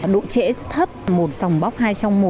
độ trễ thấp một sòng bóc hai trong một